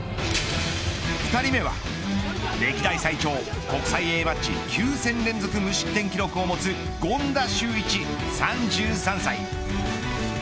２人目は歴代最長国際Ａマッチ９戦連続無失点記録を持つ権田修一、３３歳。